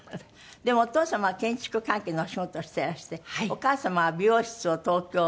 お父様は建築関係のお仕事をしてらしてお母様は美容室を東京上野？